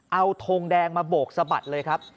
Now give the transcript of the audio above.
เอาทงแดงมาโบกสะบัดเลยครับ